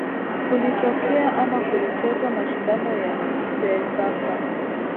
kulitokea ama kulichezwa mashindano ya cecafa